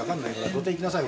土手行きなさい。